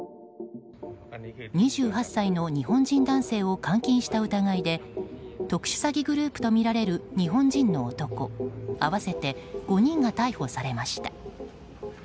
２８歳の日本人男性を監禁した疑いで特殊詐欺グループとみられる日本人の男合わせて５人が逮捕されました。